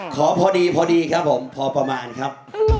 ขอพอดีพอดีครับผมพอประมาณครับ